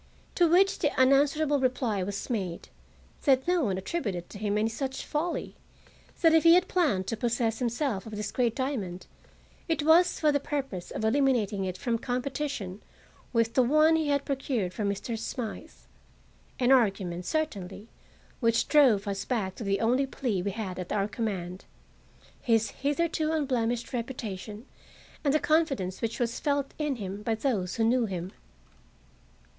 To which the unanswerable reply was made that no one attributed to him any such folly; that if he had planned to possess himself of this great diamond, it was for the purpose of eliminating it from competition with the one he had procured for Mr. Smythe; an argument, certainly, which drove us back on the only plea we had at our command—his hitherto unblemished reputation and the confidence which was felt In him by those who knew him.